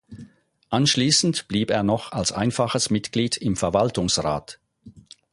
Anschließend blieb er noch als einfaches Mitglied im Verwaltungsrat.